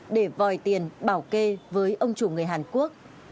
để vòi tiền bảo kê với ông chủ người hàn quốc